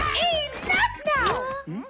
ん？